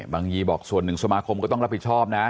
ยีบอกส่วนหนึ่งสมาคมก็ต้องรับผิดชอบนะ